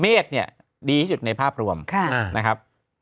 เมฆเนี่ยดีที่สุดในภาพรวมนะครับ